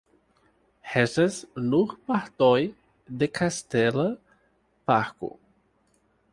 Restas nur partoj de kastela parko.